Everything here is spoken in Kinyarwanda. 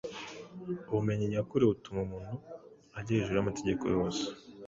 ubumenyi nyakuri butuma umuntu ajya hejuru y’amategeko yose